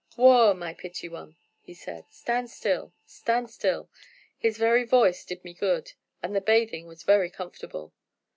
'Whoa! my pretty one,' he said, 'stand still, stand still.' His very voice did me good, and the bathing was very comfortable.